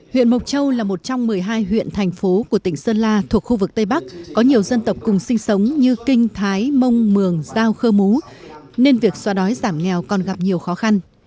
huyện mộc châu là một trong một mươi hai huyện thành phố của tỉnh sơn la thuộc khu vực tây bắc có nhiều dân tộc cùng sinh sống như kinh thái mông mường giao khơ mú nên việc xoa đói giảm nghèo còn gặp nhiều khó khăn